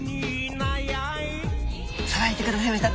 さばいてくださいました！